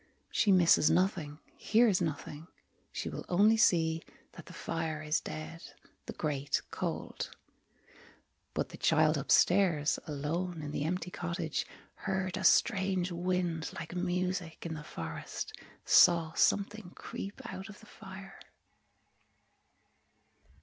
She misses nothing, Hears nothing. She will only see That the fire is dead, The grate cold. But the child upstairs, Alone, in the empty cottage, Heard a strange wind, like music, In the forest, Saw something creep out of the fire.